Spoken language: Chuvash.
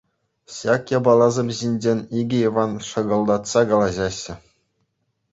Ҫак япаласем ҫинчен икӗ Иван шӑкӑлтатса калаҫаҫҫӗ.